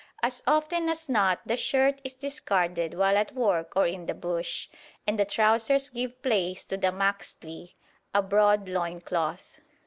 As often as not the shirt is discarded while at work or in the bush, and the trousers give place to the maxtli, a broad loin cloth.